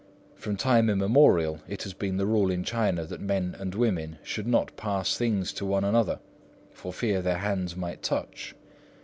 From time immemorial it has been the rule in China that men and women should not pass things to one another,—for fear their hands might touch.